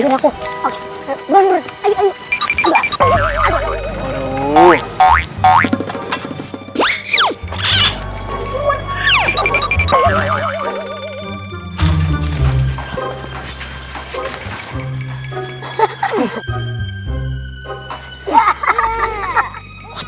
yg masih belum ber consep